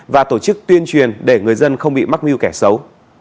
và tổ chức tuyên truyền để người dân không bị mắc mưu kẻ xấu